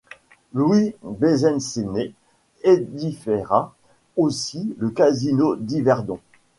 Louis Bezencenet édifiera aussi le Casino d'Yverdon.